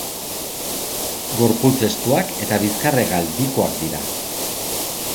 Gorputz-estuak eta bizkar-hegal bikoak dira.